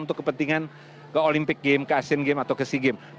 untuk kepentingan ke olimpic games ke asin games atau ke sea games